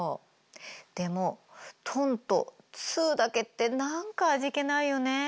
でもトンとツーだけって何か味気ないよねえ。